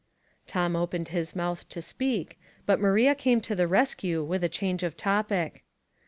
Tom opened his mouth to speak, but Maria came to the rescue with a change of topic.